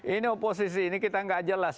ini oposisi ini kita nggak jelas